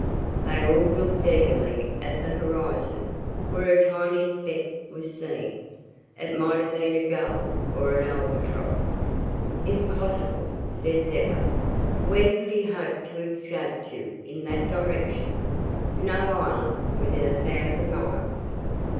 They all looked eagerly at the horizon, where a tiny speck was seen. It might have been a gull or an albatross. "Impossible," said Zeppa. "Where could he hope to escape to in that direction no island within a thousand miles?"